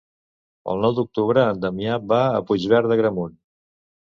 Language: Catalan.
El nou d'octubre en Damià va a Puigverd d'Agramunt.